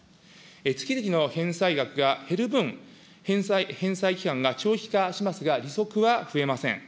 月々の返済額が減る分、返済期間が長期化しますが、利息は増えません。